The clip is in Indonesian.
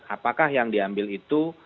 apakah yang diambil itu